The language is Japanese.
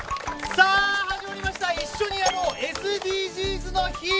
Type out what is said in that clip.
さあ、始まりました、「一緒にやろうＳＤＧｓの日」。